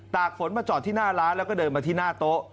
กฝนมาจอดที่หน้าร้านแล้วก็เดินมาที่หน้าโต๊ะ